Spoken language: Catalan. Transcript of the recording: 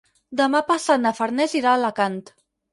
Demà passat na Farners irà a Alacant.